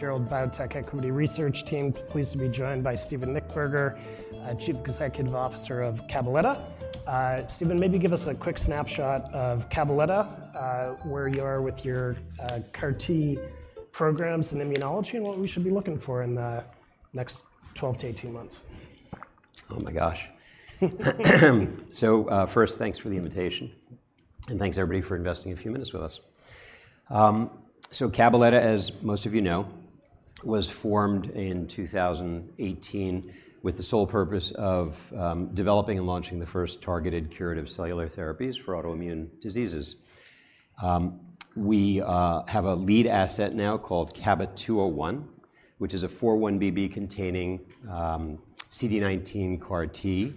Cantor Biotech Equity Research Team. Pleased to be joined by Steven Nichtberger, Chief Executive Officer of Cabaletta. Steven, maybe give us a quick snapshot of Cabaletta, where you are with your CAR T programs in immunology, and what we should be looking for in the next 12 to 18 months. Oh, my gosh. So, first, thanks for the invitation, and thanks everybody for investing a few minutes with us. So Cabaletta, as most of you know, was formed in 2018, with the sole purpose of developing and launching the first targeted curative cellular therapies for autoimmune diseases. We have a lead asset now called CABA-201, which is a 4-1BB containing CD19-CAR T,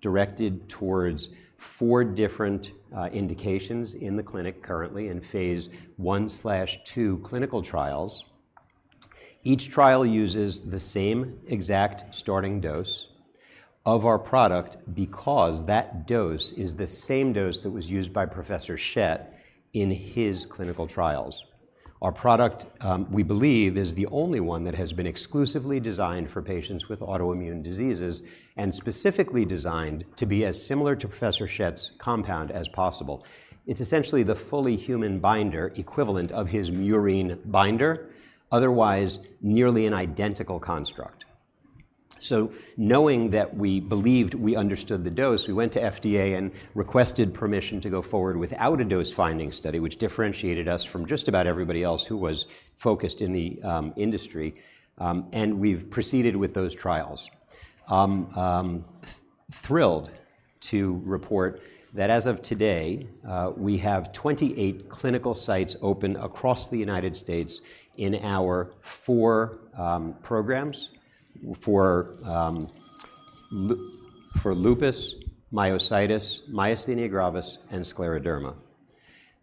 directed towards four different indications in the clinic currently in phase I/II clinical trials. Each trial uses the same exact starting dose of our product, because that dose is the same dose that was used by Professor Schett in his clinical trials. Our product, we believe, is the only one that has been exclusively designed for patients with autoimmune diseases, and specifically designed to be as similar to Professor Schett's compound as possible. It's essentially the fully human binder equivalent of his murine binder. Otherwise, nearly an identical construct. So knowing that we believed we understood the dose, we went to FDA and requested permission to go forward without a dose-finding study, which differentiated us from just about everybody else who was focused in the, industry, and we've proceeded with those trials. Thrilled to report that as of today, we have 28 clinical sites open across the United States in our four programs for lupus, myositis, myasthenia gravis, and scleroderma.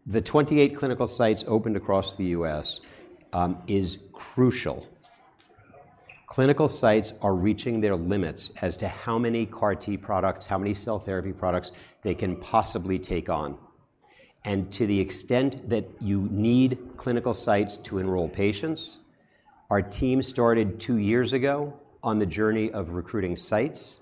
The 28 clinical sites opened across the U.S. is crucial. Clinical sites are reaching their limits as to how many CAR T products, how many cell therapy products they can possibly take on. And to the extent that you need clinical sites to enroll patients, our team started two years ago on the journey of recruiting sites,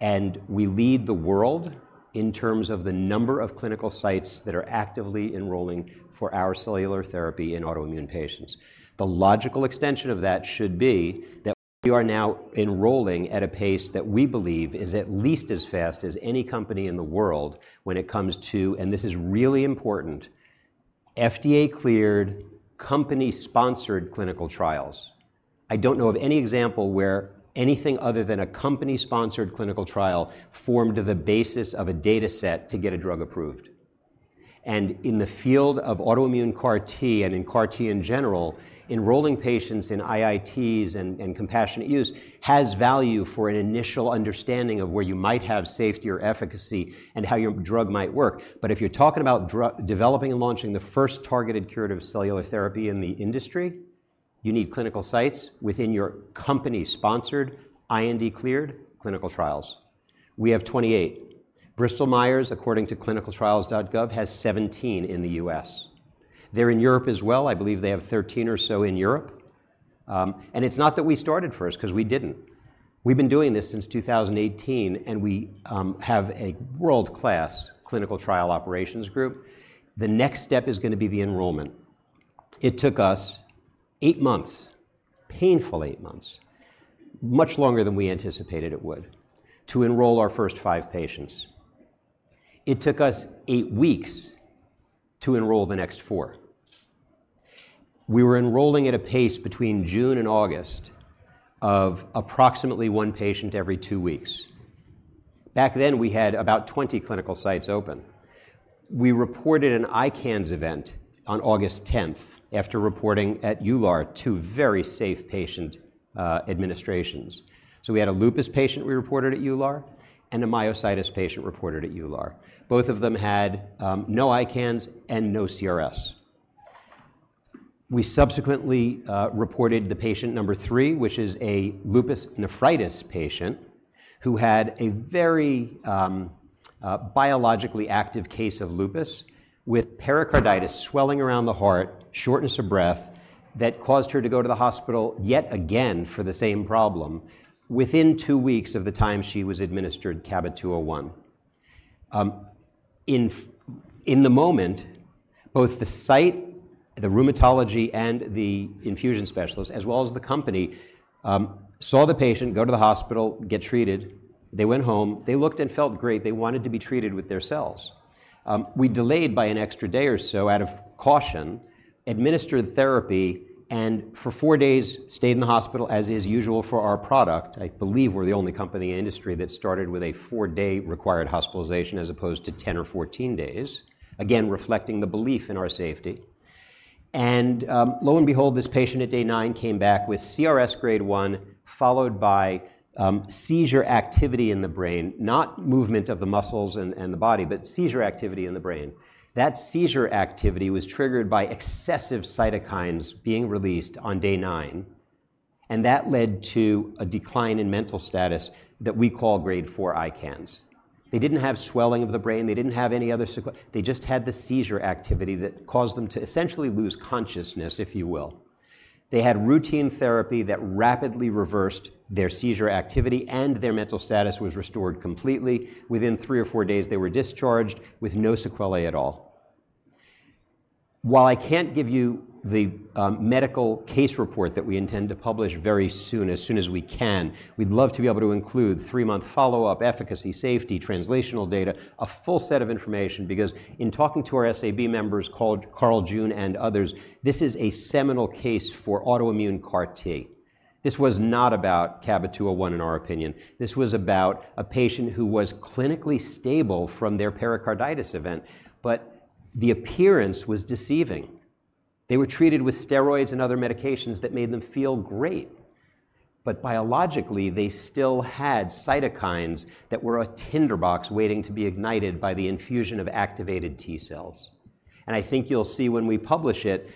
and we lead the world in terms of the number of clinical sites that are actively enrolling for our cellular therapy in autoimmune patients. The logical extension of that should be that we are now enrolling at a pace that we believe is at least as fast as any company in the world when it comes to, and this is really important, FDA-cleared, company-sponsored clinical trials. I don't know of any example where anything other than a company-sponsored clinical trial formed the basis of a dataset to get a drug approved. And in the field of autoimmune CAR T and in CAR T in general, enrolling patients in IITs and compassionate use has value for an initial understanding of where you might have safety or efficacy and how your drug might work. But if you're talking about developing and launching the first targeted curative cellular therapy in the industry, you need clinical sites within your company-sponsored, IND-cleared clinical trials. We have 28. Bristol Myers, according to ClinicalTrials.gov, has 17 in the U.S. They're in Europe as well. I believe they have 13 or so in Europe. And it's not that we started first, 'cause we didn't. We've been doing this since 2018, and we have a world-class clinical trial operations group. The next step is gonna be the enrollment. It took us eight months, painful eight months, much longer than we anticipated it would, to enroll our first five patients. It took us eight weeks to enroll the next four. We were enrolling at a pace between June and August of approximately one patient every two weeks. Back then, we had about 20 clinical sites open. We reported an ICANS event on August 10th, after reporting at EULAR two very safe patient administrations. So we had a lupus patient we reported at EULAR, and a myositis patient reported at EULAR. Both of them had no ICANS and no CRS. We subsequently reported the patient number three, which is a lupus nephritis patient, who had a very biologically active case of lupus with pericarditis, swelling around the heart, shortness of breath, that caused her to go to the hospital yet again for the same problem within two weeks of the time she was administered CABA-201. In the moment, both the site, the rheumatology, and the infusion specialist, as well as the company, saw the patient go to the hospital, get treated. They went home. They looked and felt great. They wanted to be treated with their cells. We delayed by an extra day or so out of caution, administered therapy, and for four days stayed in the hospital, as is usual for our product. I believe we're the only company in industry that started with a four-day required hospitalization, as opposed to 10 or 14 days, again, reflecting the belief in our safety, lo and behold, this patient at day nine came back with CRS grade 1, followed by seizure activity in the brain, not movement of the muscles and the body, but seizure activity in the brain. That seizure activity was triggered by excessive cytokines being released on day nine, and that led to a decline in mental status that we call grade 4 ICANS. They didn't have swelling of the brain. They didn't have any other sequelae. They just had the seizure activity that caused them to essentially lose consciousness, if you will. They had routine therapy that rapidly reversed their seizure activity, and their mental status was restored completely. Within three or four days, they were discharged with no sequelae at all. While I can't give you the medical case report that we intend to publish very soon, as soon as we can, we'd love to be able to include three-month follow-up, efficacy, safety, translational data, a full set of information, because in talking to our SAB members, called Carl June and others, this is a seminal case for autoimmune CAR T. This was not about CABA-201, in our opinion. This was about a patient who was clinically stable from their pericarditis event, but the appearance was deceiving. They were treated with steroids and other medications that made them feel great, but biologically, they still had cytokines that were a tinderbox waiting to be ignited by the infusion of activated T cells, and I think you'll see when we publish it,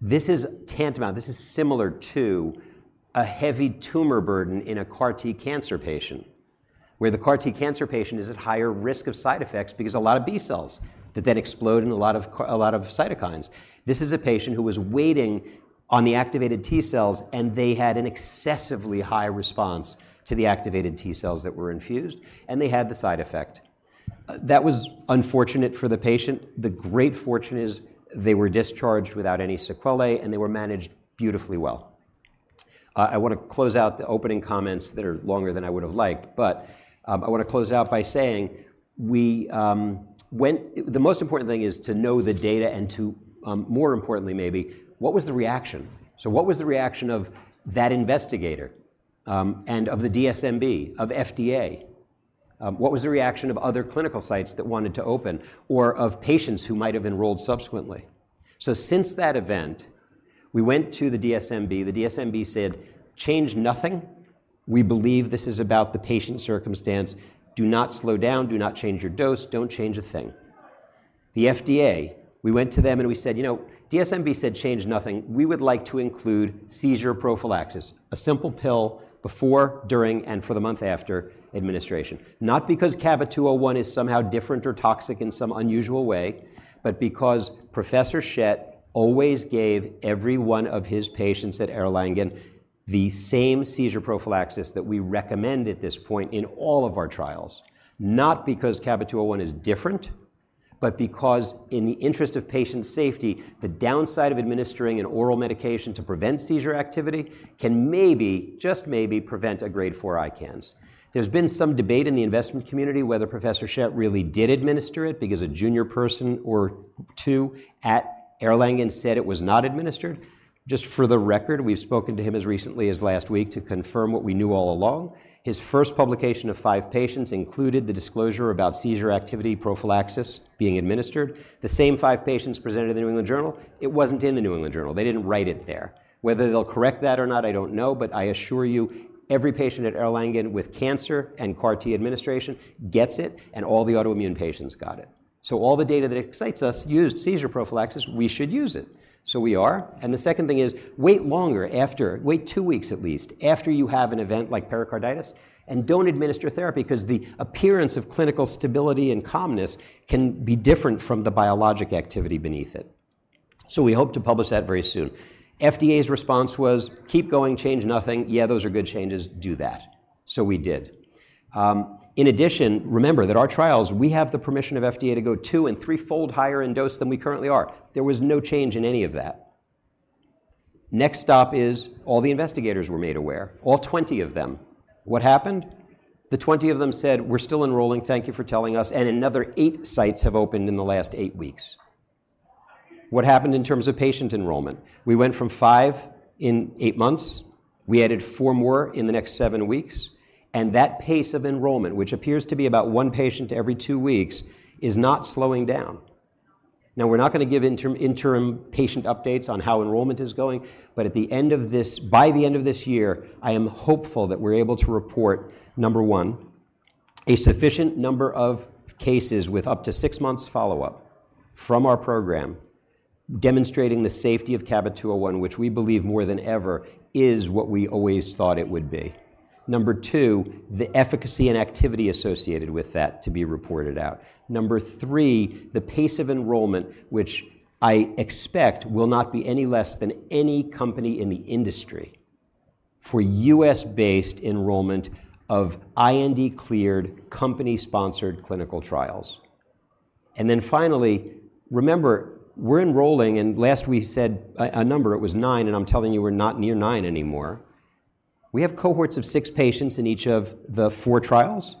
this is tantamount. This is similar to a heavy tumor burden in a CAR T cancer patient, where the CAR T cancer patient is at higher risk of side effects because a lot of B cells that then explode in a lot of cytokines. This is a patient who was waiting on the activated T cells, and they had an excessively high response to the activated T cells that were infused, and they had the side effect. That was unfortunate for the patient. The great fortune is they were discharged without any sequelae, and they were managed beautifully well. I wanna close out the opening comments that are longer than I would have liked, but I wanna close out by saying we went. The most important thing is to know the data and to, more importantly, maybe, what was the reaction? What was the reaction of that investigator, and of the DSMB, of FDA? What was the reaction of other clinical sites that wanted to open or of patients who might have enrolled subsequently? Since that event, we went to the DSMB. The DSMB said, "change nothing. We believe this is about the patient circumstance. Do not slow down. Do not change your dose. Don't change a thing." The FDA, we went to them, and we said, "You know, DSMB said, 'change nothing.' We would like to include seizure prophylaxis, a simple pill before, during, and for the month after administration." Not because CABA-201 is somehow different or toxic in some unusual way, but because Professor Schett always gave every one of his patients at Erlangen the same seizure prophylaxis that we recommend at this point in all of our trials. Not because CABA-201 is different, but because in the interest of patient safety, the downside of administering an oral medication to prevent seizure activity can maybe, just maybe, prevent a grade four ICANS. There's been some debate in the investment community whether Professor Schett really did administer it because a junior person or two at Erlangen said it was not administered. Just for the record, we've spoken to him as recently as last week to confirm what we knew all along. His first publication of five patients included the disclosure about seizure activity prophylaxis being administered. The same five patients presented in The New England Journal of Medicine. It wasn't in The New England Journal of Medicine. They didn't write it there. Whether they'll correct that or not, I don't know, but I assure you, every patient at Erlangen with cancer and CAR T administration gets it, and all the autoimmune patients got it. So all the data that excites us used seizure prophylaxis. We should use it, so we are. And the second thing is, wait longer after, wait two weeks at least, after you have an event like pericarditis and don't administer therapy 'cause the appearance of clinical stability and calmness can be different from the biologic activity beneath it. So we hope to publish that very soon. FDA's response was, "keep going, change nothing. Yeah, those are good changes. Do that." So we did. In addition, remember that our trials, we have the permission of FDA to go two- and three-fold higher in dose than we currently are. There was no change in any of that. Next, all the investigators were made aware, all 20 of them. What happened? The 20 of them said, "we're still enrolling. Thank you for telling us," and another eight sites have opened in the last eight weeks. What happened in terms of patient enrollment? We went from five in eight months. We added four more in the next seven weeks, and that pace of enrollment, which appears to be about one patient every two weeks, is not slowing down. Now, we're not gonna give interim, interim patient updates on how enrollment is going, but at the end of this, by the end of this year, I am hopeful that we're able to report, number one, a sufficient number of cases with up to six months follow-up from our program, demonstrating the safety of CABA-201, which we believe more than ever is what we always thought it would be. Number two, the efficacy and activity associated with that to be reported out. Number three, the pace of enrollment, which I expect will not be any less than any company in the industry for U.S.-based enrollment of IND-cleared, company-sponsored clinical trials. And then finally, remember, we're enrolling, and last we said a, a number, it was nine, and I'm telling you, we're not near nine anymore. We have cohorts of six patients in each of the four trials,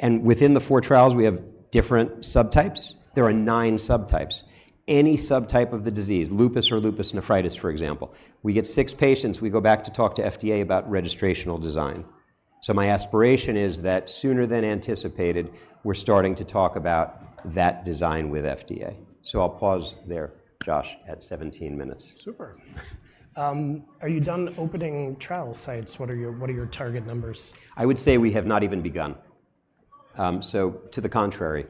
and within the four trials, we have different subtypes. There are nine subtypes. Any subtype of the disease, lupus or lupus nephritis, for example. We get six patients. We go back to talk to FDA about registrational design. So my aspiration is that sooner than anticipated, we're starting to talk about that design with FDA. So I'll pause there, Josh, at seventeen minutes. Super. Are you done opening trial sites? What are your target numbers? I would say we have not even begun. So to the contrary,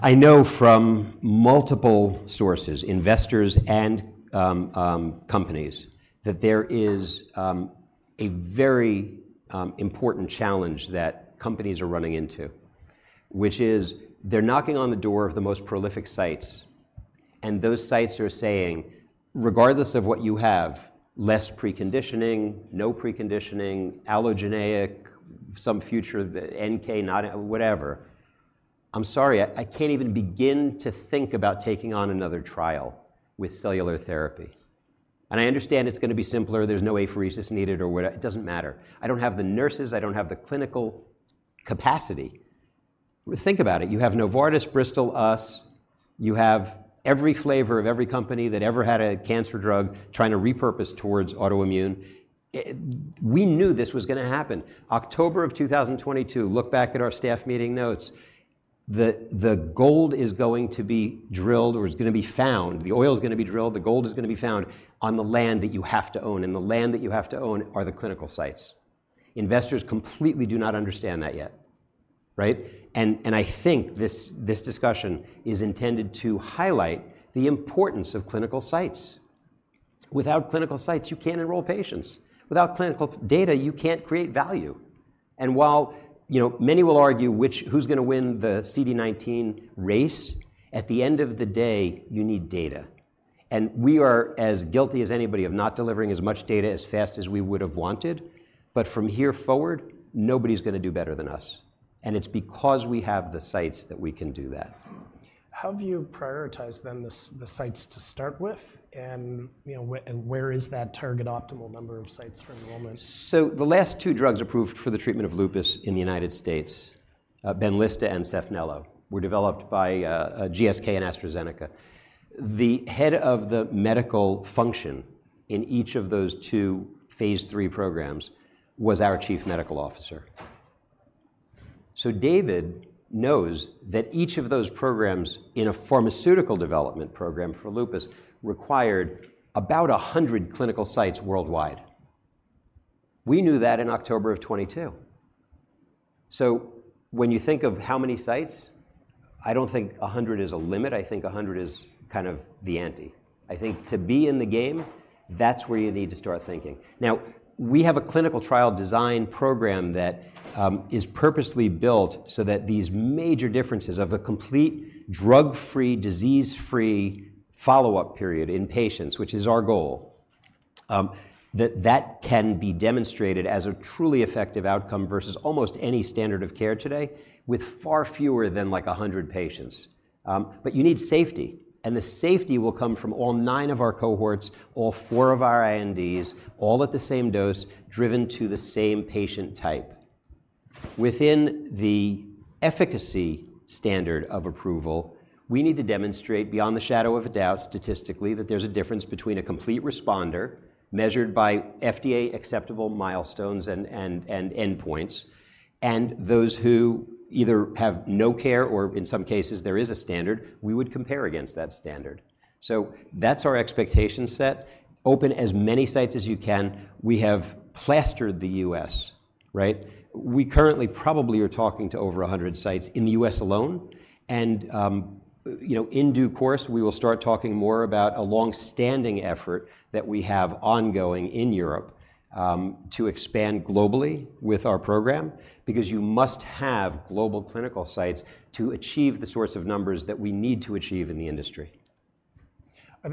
I know from multiple sources, investors and companies, that there is a very important challenge that companies are running into, which is they're knocking on the door of the most prolific sites, and those sites are saying, "regardless of what you have, less preconditioning, no preconditioning, allogeneic, some future, the NK, not whatever. I'm sorry, I can't even begin to think about taking on another trial with cellular therapy. And I understand it's gonna be simpler, there's no apheresis needed or what, it doesn't matter. I don't have the nurses, I don't have the clinical capacity." Think about it. You have Novartis, Bristol, us, you have every flavor of every company that ever had a cancer drug trying to repurpose towards autoimmune. We knew this was gonna happen. October, 2022, look back at our staff meeting notes, that the gold is going to be drilled or is gonna be found, the oil is gonna be drilled, the gold is gonna be found on the land that you have to own, and the land that you have to own are the clinical sites. Investors completely do not understand that yet, right? And I think this discussion is intended to highlight the importance of clinical sites. Without clinical sites, you can't enroll patients. Without clinical data, you can't create value. And while, you know, many will argue which, who's gonna win the CD19 race, at the end of the day, you need data. We are as guilty as anybody of not delivering as much data as fast as we would have wanted, but from here forward, nobody's gonna do better than us, and it's because we have the sites that we can do that. How have you prioritized then, the sites to start with? And, you know, where is that target optimal number of sites for enrollment? The last two drugs approved for the treatment of lupus in the United States, Benlysta and Saphnelo, were developed by GSK and AstraZeneca. The head of the medical function in each of those two phase III programs was our Chief Medical Officer. David knows that each of those programs in a pharmaceutical development program for lupus required about 100 clinical sites worldwide. We knew that in October 2022. When you think of how many sites, I don't think 100 is a limit, I think 100 is kind of the ante. I think to be in the game, that's where you need to start thinking. Now, we have a clinical trial design program that is purposely built so that these major differences of a complete drug-free, disease-free follow-up period in patients, which is our goal, that can be demonstrated as a truly effective outcome versus almost any standard of care today, with far fewer than, like, a hundred patients. But you need safety, and the safety will come from all nine of our cohorts, all four of our INDs, all at the same dose, driven to the same patient type. Within the efficacy standard of approval, we need to demonstrate beyond a shadow of a doubt, statistically, that there's a difference between a complete responder, measured by FDA acceptable milestones and endpoints, and those who either have no care or in some cases, there is a standard, we would compare against that standard. So that's our expectation set. Open as many sites as you can. We have plastered the U.S., right? We currently probably are talking to over a hundred sites in the U.S. alone, and, you know, in due course, we will start talking more about a long-standing effort that we have ongoing in Europe, to expand globally with our program, because you must have global clinical sites to achieve the sorts of numbers that we need to achieve in the industry.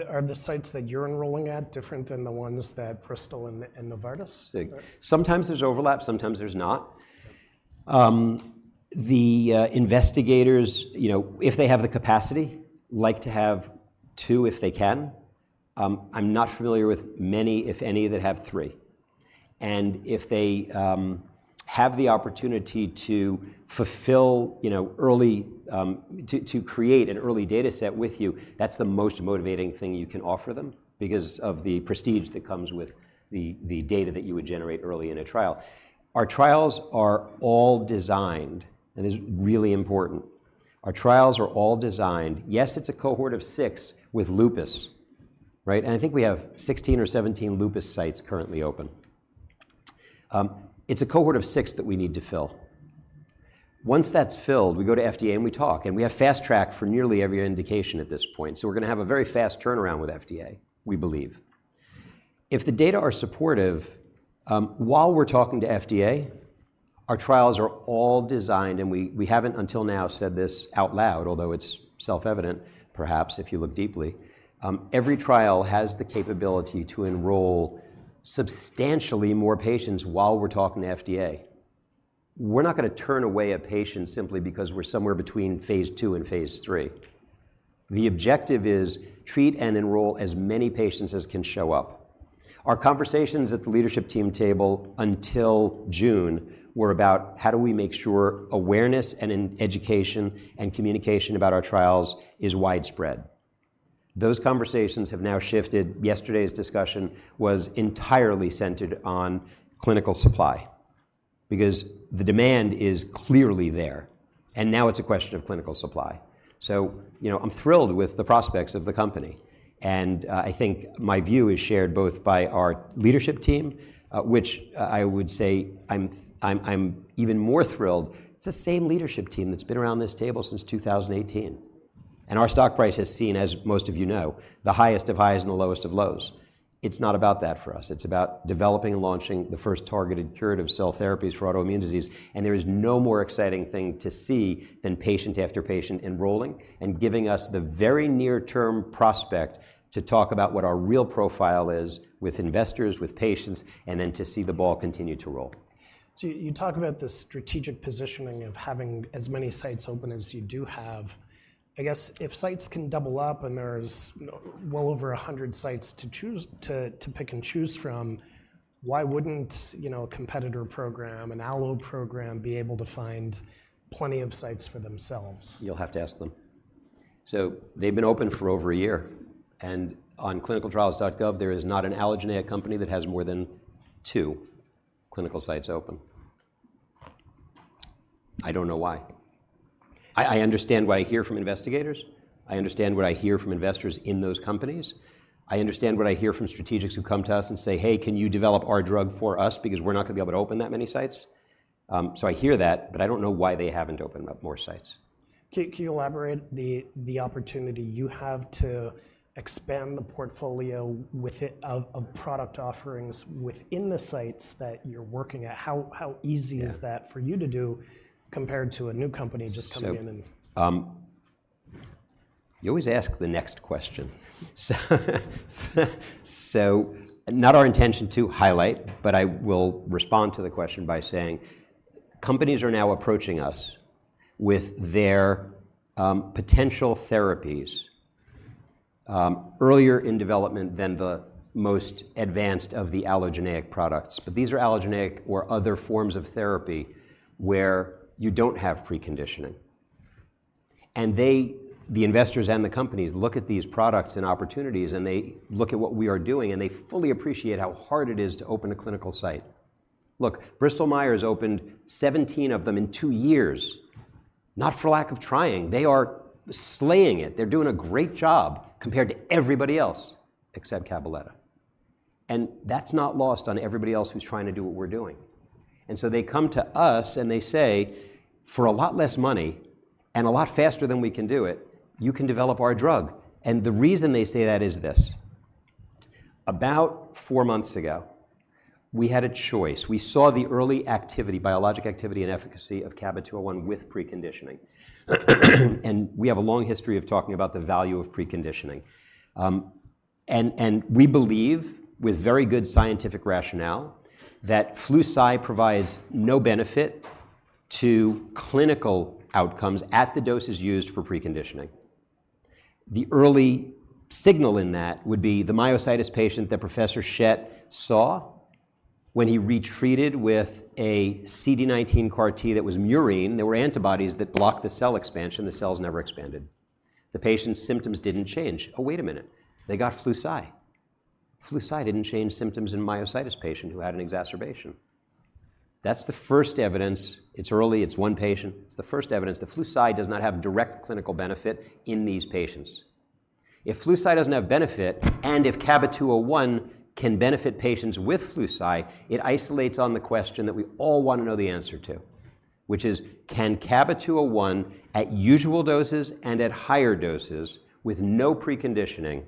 Are the sites that you're enrolling at different than the ones that Bristol and Novartis? Sometimes there's overlap, sometimes there's not. The investigators, you know, if they have the capacity, like to have two, if they can. I'm not familiar with many, if any, that have three. And if they have the opportunity to fulfill, you know, early to create an early data set with you, that's the most motivating thing you can offer them because of the prestige that comes with the data that you would generate early in a trial. Our trials are all designed, and it's really important. Our trials are all designed... Yes, it's a cohort of six with lupus, right? And I think we have 16 or 17 lupus sites currently open. It's a cohort of six that we need to fill. Once that's filled, we go to FDA, and we talk, and we have fast track for nearly every indication at this point, so we're gonna have a very fast turnaround with FDA, we believe. If the data are supportive, while we're talking to FDA, our trials are all designed, and we haven't until now said this out loud, although it's self-evident, perhaps, if you look deeply, every trial has the capability to enroll substantially more patients while we're talking to FDA. We're not gonna turn away a patient simply because we're somewhere between phase II and phase III. The objective is treat and enroll as many patients as can show up. Our conversations at the leadership team table until June were about how do we make sure awareness and in education and communication about our trials is widespread? Those conversations have now shifted. Yesterday's discussion was entirely centered on clinical supply, because the demand is clearly there, and now it's a question of clinical supply. You know, I'm thrilled with the prospects of the company, and I think my view is shared both by our leadership team, which I would say I'm even more thrilled. It's the same leadership team that's been around this table since two thousand and eighteen, and our stock price has seen, as most of you know, the highest of highs and the lowest of lows. It's not about that for us. It's about developing and launching the first targeted curative cell therapies for autoimmune disease, and there is no more exciting thing to see than patient after patient enrolling and giving us the very near-term prospect to talk about what our real profile is with investors, with patients, and then to see the ball continue to roll. So you talk about the strategic positioning of having as many sites open as you do have. I guess if sites can double up, and there's well over a hundred sites to choose to pick and choose from, why wouldn't, you know, a competitor program, an Allogene program, be able to find plenty of sites for themselves? You'll have to ask them. So they've been open for over a year, and on ClinicalTrials.gov, there is not an allogeneic company that has more than two clinical sites open. I don't know why. I understand what I hear from investigators. I understand what I hear from investors in those companies. I understand what I hear from strategics who come to us and say, "hey, can you develop our drug for us? Because we're not gonna be able to open that many sites." So I hear that, but I don't know why they haven't opened up more sites. Can you elaborate the opportunity you have to expand the portfolio with it... of product offerings within the sites that you're working at? How easy- Yeah... is that for you to do compared to a new company just coming in and- You always ask the next question. Not our intention to highlight, but I will respond to the question by saying, companies are now approaching us with their potential therapies earlier in development than the most advanced of the allogeneic products. These are allogeneic or other forms of therapy where you don't have preconditioning, and they, the investors and the companies, look at these products and opportunities, and they look at what we are doing, and they fully appreciate how hard it is to open a clinical site. Look, Bristol Myers opened 17 of them in two years, not for lack of trying. They are slaying it. They're doing a great job compared to everybody else, except Cabaletta. That's not lost on everybody else who's trying to do what we're doing. And so they come to us, and they say, "for a lot less money and a lot faster than we can do it, you can develop our drug." And the reason they say that is this. About four months ago, we had a choice. We saw the early activity, biologic activity and efficacy of CABA-201 with preconditioning, and we have a long history of talking about the value of preconditioning. We believe, with very good scientific rationale, that Flu/Cy provides no benefit to clinical outcomes at the doses used for preconditioning. The early signal in that would be the myositis patient that Professor Schett saw when he retreated with a CD19-CAR T that was murine. There were antibodies that blocked the cell expansion. The cells never expanded. The patient's symptoms didn't change. Oh, wait a minute, they got Flu/Cy. Flu/Cy didn't change symptoms in myositis patient who had an exacerbation. That's the first evidence. It's early. It's one patient. It's the first evidence that Flu/Cy does not have direct clinical benefit in these patients. If Flu/Cy doesn't have benefit, and if CABA-201 can benefit patients with Flu/Cy, it isolates on the question that we all want to know the answer to, which is: Can CABA-201, at usual doses and at higher doses with no preconditioning,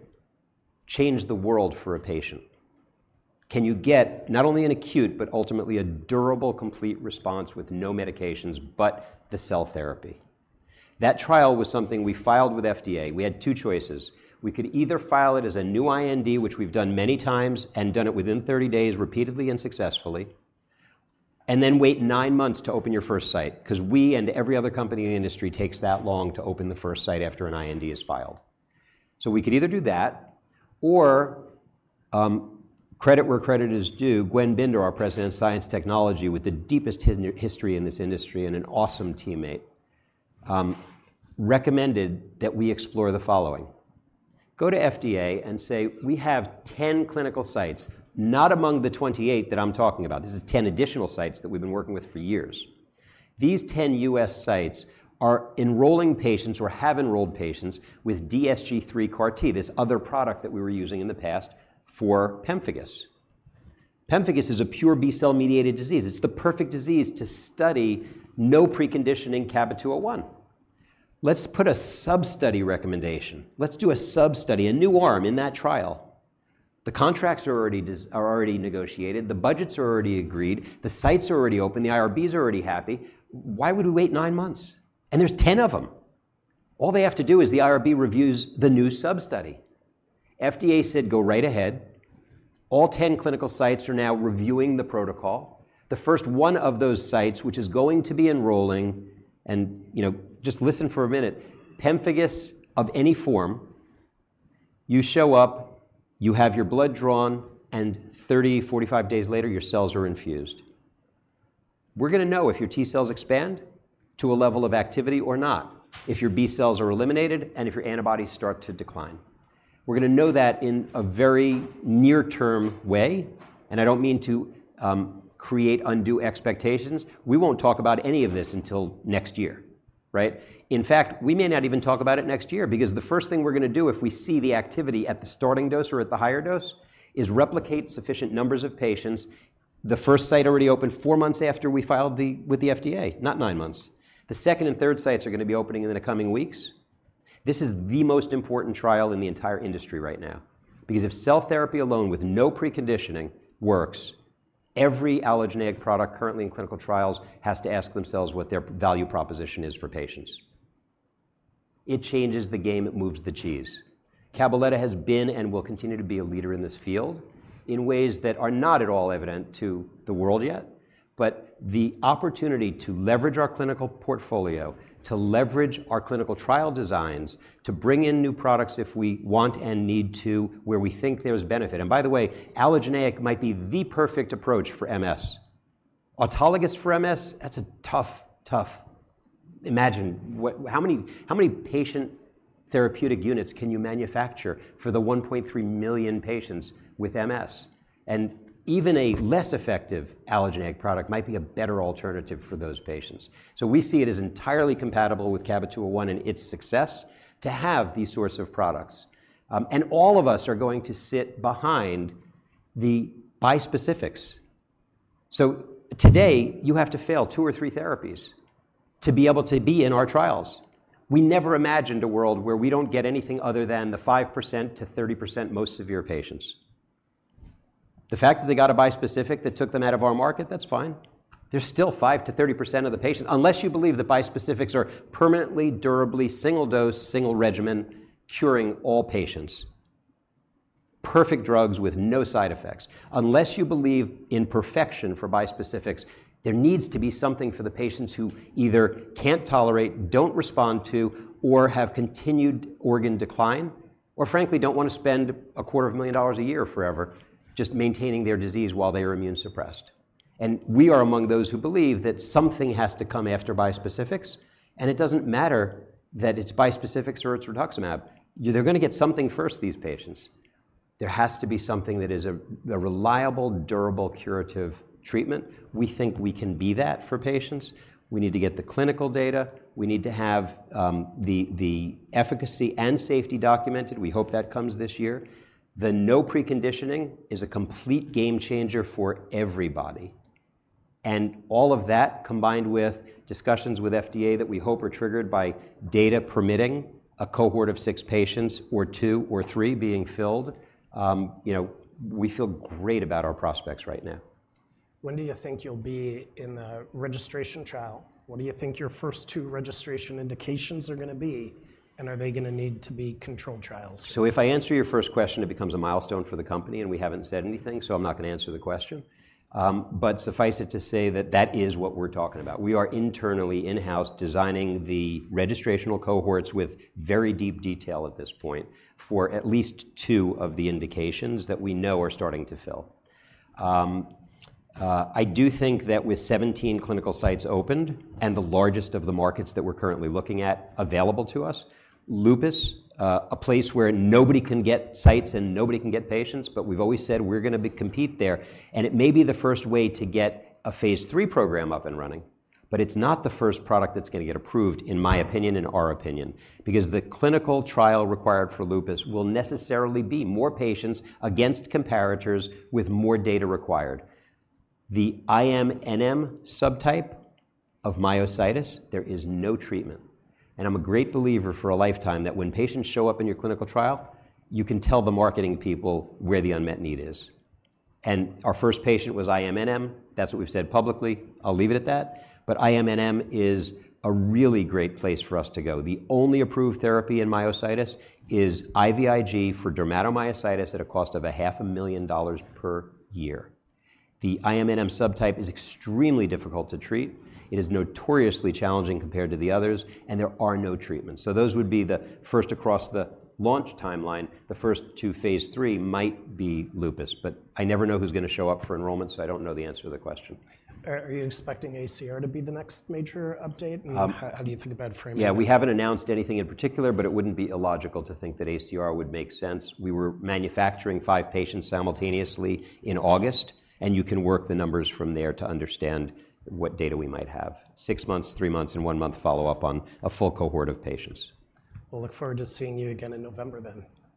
change the world for a patient? Can you get not only an acute, but ultimately a durable, complete response with no medications but the cell therapy? That trial was something we filed with FDA. We had two choices. We could either file it as a new IND, which we've done many times and done it within thirty days, repeatedly and successfully, and then wait nine months to open your first site, 'cause we and every other company in the industry takes that long to open the first site after an IND is filed. So we could either do that, or, credit where credit is due, Gwendolyn Binder, our President of Science and Technology, with the deepest history in this industry and an awesome teammate, recommended that we explore the following: Go to FDA and say, "we have 10 clinical sites," not among the 28 that I'm talking about. This is 10 additional sites that we've been working with for years. These ten U.S. sites are enrolling patients or have enrolled patients with DSG3-CAART, this other product that we were using in the past for pemphigus. Pemphigus is a pure B cell-mediated disease. It's the perfect disease to study no preconditioning CABA-201. Let's put a sub-study recommendation. Let's do a sub-study, a new arm in that trial. The contracts are already negotiated. The budgets are already agreed. The sites are already open. The IRBs are already happy. Why would we wait nine months, and there's ten of them. All they have to do is the IRB reviews the new sub-study. FDA said, "go right ahead." All ten clinical sites are now reviewing the protocol. The first one of those sites, which is going to be enrolling, and, you know, just listen for a minute, pemphigus of any form, you show up, you have your blood drawn, and 30-45 days later, your cells are infused. We're gonna know if your T cells expand to a level of activity or not, if your B cells are eliminated, and if your antibodies start to decline. We're gonna know that in a very near-term way, and I don't mean to create undue expectations. We won't talk about any of this until next year, right? In fact, we may not even talk about it next year, because the first thing we're gonna do if we see the activity at the starting dose or at the higher dose, is replicate sufficient numbers of patients. The first site already opened four months after we filed the IND with the FDA, not nine months. The second and third sites are gonna be opening in the coming weeks. This is the most important trial in the entire industry right now, because if cell therapy alone with no preconditioning works, every allogeneic product currently in clinical trials has to ask themselves what their value proposition is for patients. It changes the game, it moves the cheese. Cabaletta has been and will continue to be a leader in this field in ways that are not at all evident to the world yet, but the opportunity to leverage our clinical portfolio, to leverage our clinical trial designs, to bring in new products if we want and need to, where we think there's benefit. By the way, allogeneic might be the perfect approach for MS. Autologous for MS, that's a tough, tough. Imagine, what, how many patient therapeutic units can you manufacture for the 1.3 million patients with MS? And even a less effective allogeneic product might be a better alternative for those patients. So we see it as entirely compatible with CABA-201 and its success to have these sorts of products. And all of us are going to sit behind the bispecifics. So today, you have to fail two or three therapies to be able to be in our trials. We never imagined a world where we don't get anything other than the 5%-30% most severe patients. The fact that they got a bispecific that took them out of our market, that's fine. There's still 5%-30% of the patient, unless you believe that bispecifics are permanently, durably, single dose, single regimen, curing all patients. Perfect drugs with no side effects. Unless you believe in perfection for bispecifics, there needs to be something for the patients who either can't tolerate, don't respond to, or have continued organ decline, or frankly, don't wanna spend $250,000 a year forever just maintaining their disease while they are immune suppressed. And we are among those who believe that something has to come after bispecifics, and it doesn't matter that it's bispecifics or it's rituximab. They're gonna get something first, these patients. There has to be something that is a reliable, durable, curative treatment. We think we can be that for patients. We need to get the clinical data. We need to have the efficacy and safety documented. We hope that comes this year. The no preconditioning is a complete game changer for everybody, and all of that, combined with discussions with FDA that we hope are triggered by data permitting, a cohort of six patients or two or three being filled, you know, we feel great about our prospects right now. When do you think you'll be in the registration trial? What do you think your first two registration indications are gonna be, and are they gonna need to be controlled trials? So if I answer your first question, it becomes a milestone for the company, and we haven't said anything, so I'm not gonna answer the question. But suffice it to say that that is what we're talking about. We are internally, in-house, designing the registrational cohorts with very deep detail at this point for at least two of the indications that we know are starting to fill. I do think that with 17 clinical sites opened and the largest of the markets that we're currently looking at available to us, lupus, a place where nobody can get sites and nobody can get patients, but we've always said we're gonna compete there, and it may be the first way to get a phase III program up and running. But it's not the first product that's gonna get approved, in my opinion, in our opinion, because the clinical trial required for lupus will necessarily be more patients against comparators with more data required. The IMNM subtype of myositis, there is no treatment, and I'm a great believer for a lifetime, that when patients show up in your clinical trial, you can tell the marketing people where the unmet need is. And our first patient was IMNM. That's what we've said publicly. I'll leave it at that, but IMNM is a really great place for us to go. The only approved therapy in myositis is IVIG for dermatomyositis at a cost of $500,000 per year. The IMNM subtype is extremely difficult to treat. It is notoriously challenging compared to the others, and there are no treatments. So those would be the first across the launch timeline. The first two phase III might be lupus, but I never know who's gonna show up for enrollment, so I don't know the answer to the question. Are you expecting ACR to be the next major update? Um- How do you think about framing it? Yeah, we haven't announced anything in particular, but it wouldn't be illogical to think that ACR would make sense. We were manufacturing five patients simultaneously in August, and you can work the numbers from there to understand what data we might have. Six months, three months, and one-month follow-up on a full cohort of patients. We'll look forward to seeing you again in November, then.